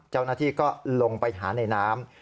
เจ้าหน้าที่ก็ลงไปหาในน้ำ